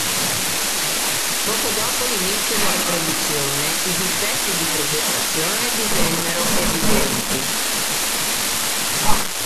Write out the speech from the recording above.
Poco dopo l'inizio della produzione i difetti di progettazione divennero evidenti.